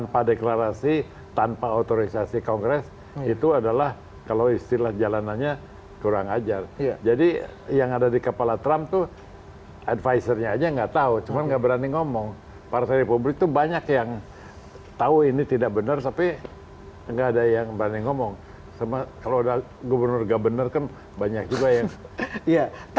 pemerintah iran berjanji akan membalas serangan amerika yang tersebut